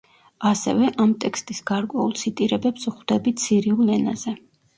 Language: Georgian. ასევე, ამ ტექსტის გარკვეულ ციტირებებს ვხვდებით სირიულ ენაზე.